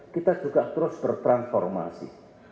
kita juga terus bertransformasi